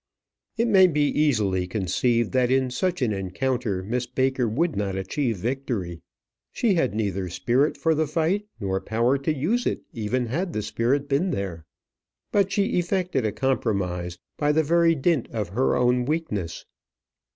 It may be easily conceived that in such an encounter Miss Baker would not achieve victory. She had neither spirit for the fight, nor power to use it even had the spirit been there; but she effected a compromise by the very dint of her own weakness.